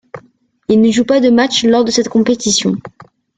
Il ne joue pas de matchs lors de cette compétition.